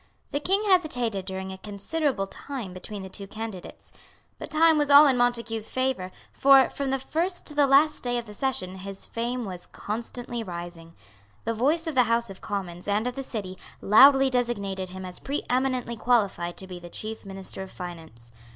The King hesitated during a considerable time between the two candidates; but time was all in Montague's favour; for, from the first to the last day of the session, his fame was constantly rising. The voice of the House of Commons and of the City loudly designated him as preeminently qualified to be the chief minister of finance.